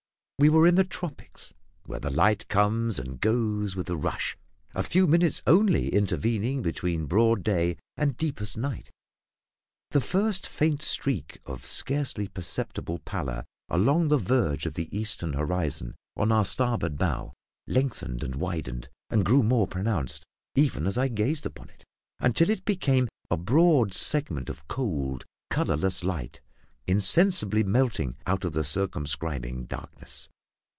We were in the tropics, where the light comes and goes with a rush, a few minutes only intervening between broad day and deepest night. The first faint streak of scarcely perceptible pallor along the verge of the eastern horizon on our starboard bow lengthened and widened, and grew more pronounced, even as I gazed upon it, until it became a broad segment of cold, colourless light, insensibly melting out of the circumscribing darkness.